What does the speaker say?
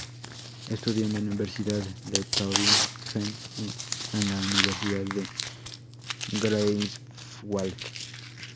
Estudió en la Universidad de Tübingen y en la Universidad de Greifswald.